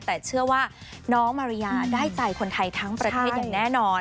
แต่เชื่อว่าน้องมาริยาได้ใจคนไทยทั้งประเทศอย่างแน่นอน